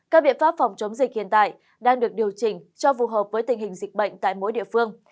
các biện pháp phòng chống dịch hiện tại đang được điều chỉnh cho phù hợp với tình hình dịch bệnh tại mỗi địa phương